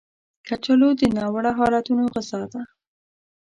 کچالو د ناوړه حالتونو غذا ده